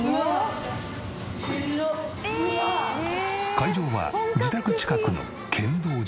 会場は自宅近くの剣道場。